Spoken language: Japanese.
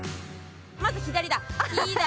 まず左だ。